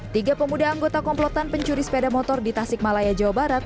tiga pemuda anggota komplotan pencuri sepeda motor di tasik malaya jawa barat